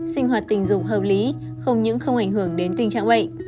sinh hoạt tình dụng hợp lý không những không ảnh hưởng đến tình trạng bệnh